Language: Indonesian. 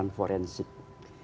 yang berkonsumsi dengan otopsi